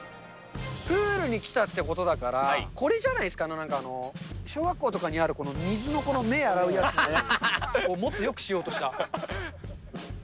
プールに来たってことだから、これじゃないですか、なんかこう、小学校とかにある水の目、洗うやつね、もっとよくしようとした。